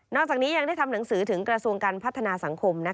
จากนี้ยังได้ทำหนังสือถึงกระทรวงการพัฒนาสังคม